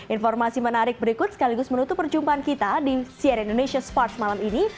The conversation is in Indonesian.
informasi menarik berikut sekaligus menutup perjumpaan kita di cnn indonesia sports malam ini